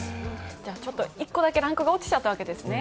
１個だけランクが落ちちゃったわけですね。